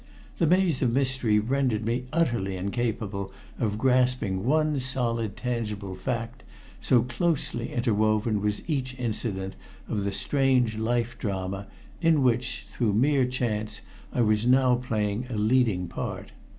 The maze of mystery rendered me utterly incapable of grasping one solid tangible fact, so closely interwoven was each incident of the strange life drama in which, through mere chance, I was now playing a leading part.